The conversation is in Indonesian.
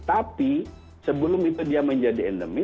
tapi sebelum itu dia menjadi endemik